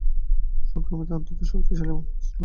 সংক্রামিতরা অত্যন্ত শক্তিশালী এবং হিংস্র।